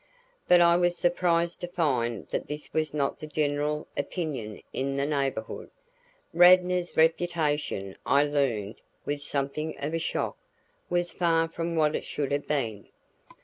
But I was surprised to find that this was not the general opinion in the neighborhood. Radnor's reputation, I learned with something of a shock, was far from what it should have been.